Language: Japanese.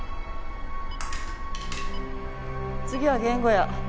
次は言語野。